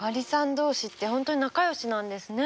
同士って本当に仲良しなんですね。